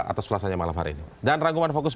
atas ulasannya malam hari ini dan rangkuman fokus